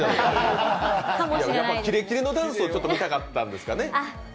皆さん、キレキレのダンスを見たかったんですけどね。